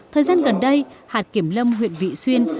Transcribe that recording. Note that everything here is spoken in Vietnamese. thời gian gần đây hạt kiểm lâm huyện vị xuyên